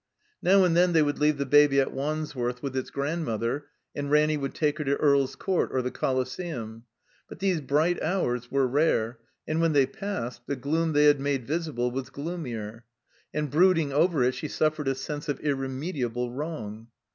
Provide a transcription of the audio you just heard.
Now and then they would leave the Baby at Wandsworth with its grandmother, and Ranny would take her to Earl's Court or the Coliseum. But these bright hoiu's were rare, and when they passed the gloom they had made visible was gloomier. And brooding over it, she suffered a sense of irremediable wrong.